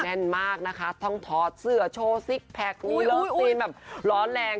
แน่นมากนะคะต้องถอดเสือโชว์ซิกแพลกเริ่มรอดแรง